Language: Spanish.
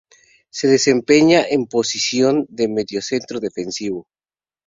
Se desempeñaba en posición de mediocentro defensivo.